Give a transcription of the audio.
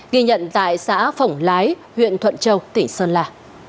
ghi nhận tại xã phổng lái huyện thuận châu tỉnh sơn la